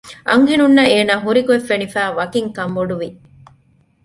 އަންހެނުންނަށް އޭނާ ހުރިގޮތް ފެނިފައި ވަކިން ކަންބޮޑުވި